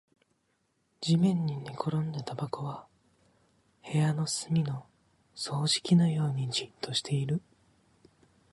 地面に寝転んだタバコは部屋の隅の掃除機のようにじっとしている